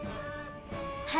はい。